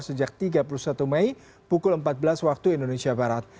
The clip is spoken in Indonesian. sejak tiga puluh satu mei pukul empat belas waktu indonesia barat